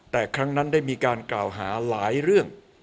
แต่ครั้งนั้นได้มีการกล่าวหาหลายเรื่อง